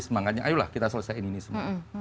semangatnya ayolah kita selesaikan ini semua